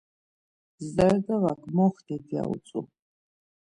Zerdavak moxtit ya utzu.